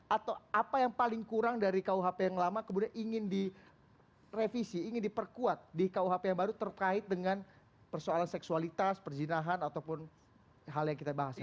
atau apa yang paling kurang dari kuhp yang lama kemudian ingin direvisi ingin diperkuat di kuhp yang baru terkait dengan persoalan seksualitas perzinahan ataupun hal yang kita bahas ini